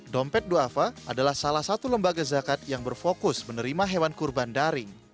dompet do'afa adalah salah satu lembaga zakat yang berfokus menerima hewan kurban daring